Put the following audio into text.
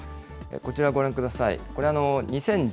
こちら、ご覧ください。